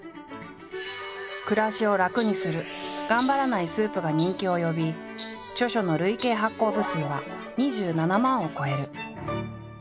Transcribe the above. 暮らしを楽にする頑張らないスープが人気を呼び著書の累計発行部数は２７万を超える。